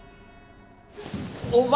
お前！